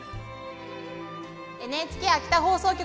ＮＨＫ秋田放送局